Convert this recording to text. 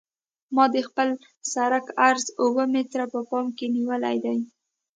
ما د خپل سرک عرض اوه متره په پام کې نیولی دی